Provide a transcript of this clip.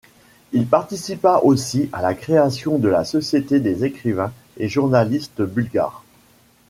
Il participa aussi à la création de la Société des écrivains et journalistes bulgares.